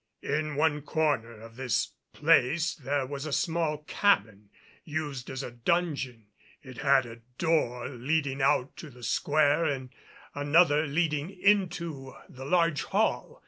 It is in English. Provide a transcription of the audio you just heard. In one corner of this place there was a small cabin, used as a dungeon; it had a door leading out to the square and another leading into the large hall.